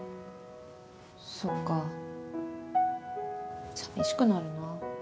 そっか寂しくなるな。